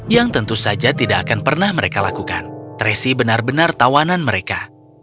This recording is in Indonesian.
yang tentu saja tidak akan pernah mereka lakukan traci benar benar tawanan mereka